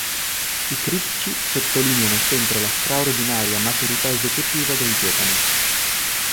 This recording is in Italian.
I critici sottolineano sempre la straordinaria maturità esecutiva del giovane.